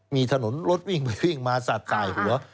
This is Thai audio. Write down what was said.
มีถนนรถวิ่งไปวิ่งมาสาดสายหัว